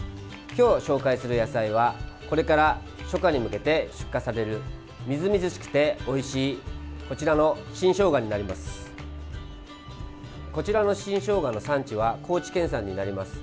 今日紹介する野菜はこれから初夏に向けて出荷されるみずみずしくておいしいこちらの新ショウガになります。